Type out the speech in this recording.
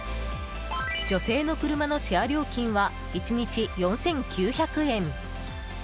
女性の車のシェア料金は１日４９００円。